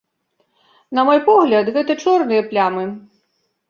На мой погляд, гэта чорныя плямы.